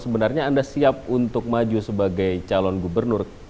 sebenarnya anda siap untuk maju sebagai calon gubernur